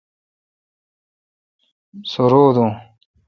سو رو دوں۔